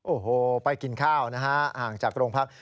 โอ้โหไปกินข้าวนะฮะห่างจากโรงพัก